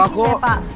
enggak ada luka kok